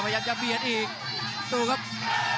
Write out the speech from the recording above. เอาไวท์อีก